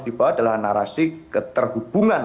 dibawa adalah narasi keterhubungan